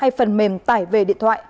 hay phần mềm tải về điện thoại